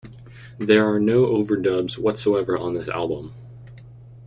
There are no overdubs whatsoever on this album.